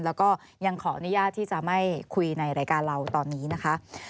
แล้วก็ยังขออนุญาตที่จะไม่คุยในรายการเราตอนนี้นะคะ